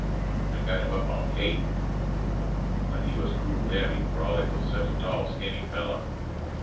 I got him up on Kate, but he was cruel heavy for all he was such a tall skinny fellow.